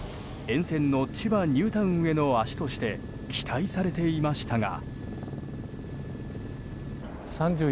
沿線の千葉ニュータウンへの足として期待されていましたが。